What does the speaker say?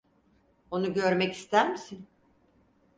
Onu görmek ister misin?